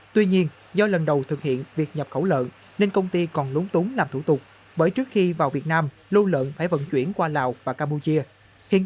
tuy nhiên do lần đầu thực hiện việc nhập khẩu lợn nên công ty còn luôn có lợn thịt đảm bảo an toàn dịch bệnh